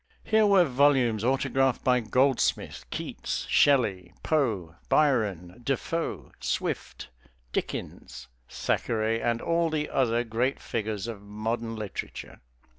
Here were volumes autographed by Goldsmith, Keats, Shelley, Poe, Byron, DeFoe, Swift, Dickens, Thackeray, and all the other great figures of modern literature.